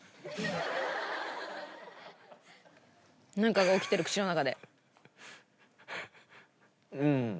なんかが起きてる口の中で。